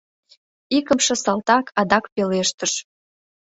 Икымше салтак адак пелештыш: